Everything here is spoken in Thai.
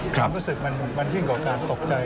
ความรู้สึกมันยิ่งกว่าการตกใจ